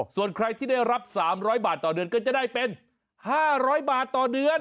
ส่วนใครที่ได้รับ๓๐๐บาทต่อเดือนก็จะได้เป็น๕๐๐บาทต่อเดือน